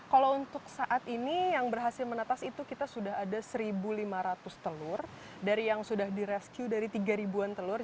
kalau untuk saat ini yang berhasil menetas itu kita sudah ada seribu lima ratus telur dari yang sudah direscue dari tiga ribu an telur